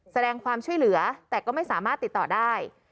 แสดงความช่วยเหลือแต่ก็ไม่สามารถติดต่อได้